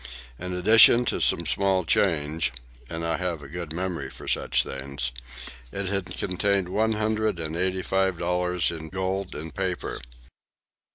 In addition to some small change (and I have a good memory for such things), it had contained one hundred and eighty five dollars in gold and paper.